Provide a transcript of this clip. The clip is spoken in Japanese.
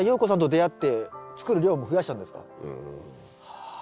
はあ。